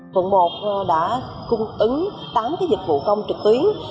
quận một đã cung ứng tám dịch vụ công trực tuyến